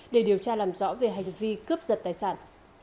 để điều tra làm rõ về hành vi cướp giật tài sản